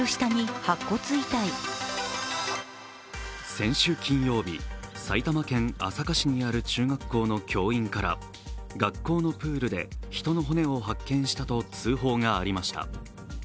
先週金曜日、埼玉県朝霞市にある中学校の教員から学校のプールで人の骨を発見したと通報がありました。